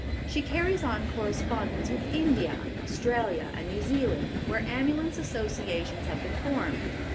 She carries on correspondence with India, Australia, and New Zealand, where ambulance associations have been formed.